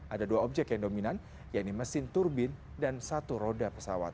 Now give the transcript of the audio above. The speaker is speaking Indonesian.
ada dua objek yang dominan yaitu mesin turbin dan satu roda pesawat